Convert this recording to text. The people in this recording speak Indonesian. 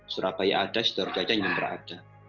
surabaya ada sudara jawa jawa